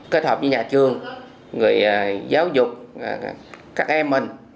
kết hợp với nhà trường người giáo dục các em mình